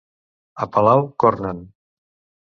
A Palau, cornen.